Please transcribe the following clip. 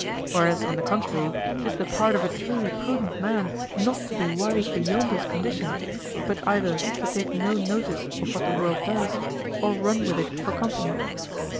Whereas on the contrary 'tis the part of a truly prudent man not to be wise beyond his condition, but either to take no notice of what the world does, or run with it for company.